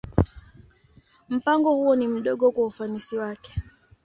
Mpango huo ni mdogo kwa ufanisi wake.